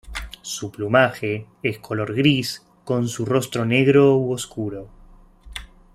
Su plumaje es color gris con su rostro negro u oscuro.